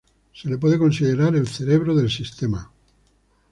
Se le puede considerar el "cerebro" del sistema.